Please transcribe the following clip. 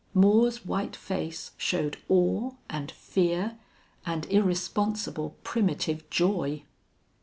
Moore's white face showed awe and fear and irresponsible primitive joy.